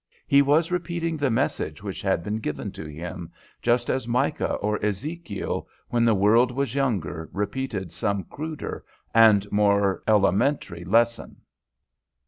he was repeating the message which had been given to him, just as Micah or Ezekiel when the world was younger repeated some cruder and more elementary lesson."